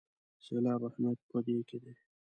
د سېلاب اهمیت په دې کې دی.